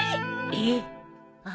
えっ？